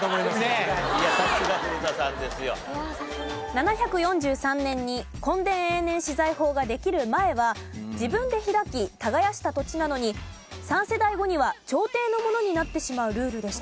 ７４３年に墾田永年私財法ができる前は自分で開き耕した土地なのに三世代後には朝廷のものになってしまうルールでした。